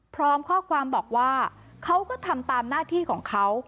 พร้อมข้อความบอกว่าเขาก็ทำตามหน้าที่ของเขา